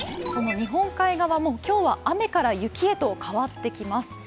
日本海側も雨から雪へと変わってきます。